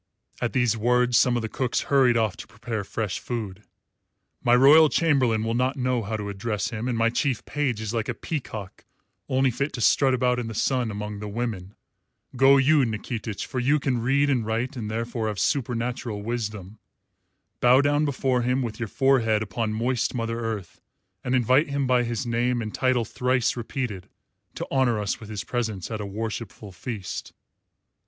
(At these words some of the cooks hurried off to prepare fresh food.) "My royal chamberlain will not know how to address him, and my chief page is like a peacock only fit to strut about in the sun among the women. Go you, Nikitich, for you can read and write and therefore have supernatural wisdom. Bow down before him, with your forehead upon moist Mother Earth, and invite him by his name and title thrice repeated to honour us with his presence at a worshipful feast.